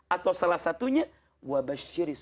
atau salah satunya